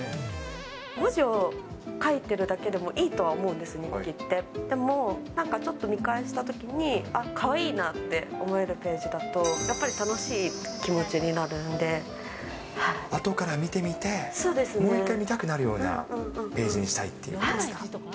文字を書いてるだけでもいいとは思うんですね、でも、なんかちょっと見返したときに、あっ、かわいいなって思えるページだと、後から見てみて、もう一回見たくなるようなページにしたいということですか。